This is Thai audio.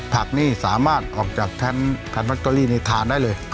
ผักนี่สามารถออกจากแทนลอตเตอรี่นี่ทานได้เลย